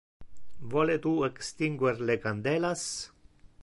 Vole tu extinguer le candelas?